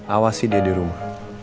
awasi dia di rumah